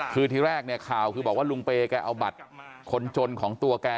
คือที่แรกเนี่ยข่าวคือบอกว่าลุงเปย์แกเอาบัตรคนจนของตัวแก